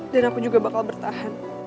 dan aku juga bakal bertahan